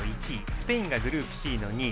スペインがグループＣの２位。